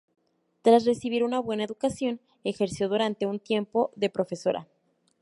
Tras recibir una buena educación, ejerció durante un tiempo de profesora.